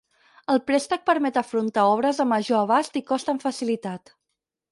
El préstec permet afrontar obres de major abast i cost amb facilitat.